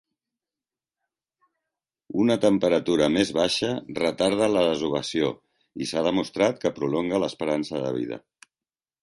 Una temperatura més baixa retarda la desovació i s'ha demostrat que prolonga l'esperança de vida.